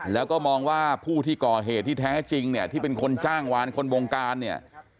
แล้วก็มองว่าผู้ที่ก่อเหตุที่แท้จริงเนี่ยที่เป็นคนจ้างวานคนวงการเนี่ย